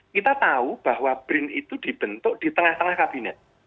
kita tahu bahwa brin itu dibentuk di tengah tengah kabinet